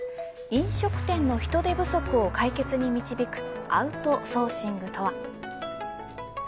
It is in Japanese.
飲食店の人手不足を解決に導くアウトソーシングとは。